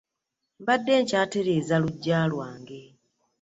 Mbadde nkyatereeza luggya lwange.